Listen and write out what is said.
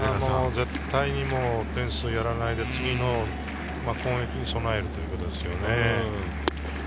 絶対に点数をやらないで次の攻撃に備えるということですね。